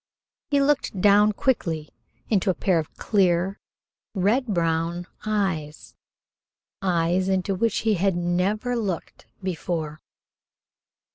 He looked down quickly into a pair of clear, red brown eyes eyes into which he had never looked before.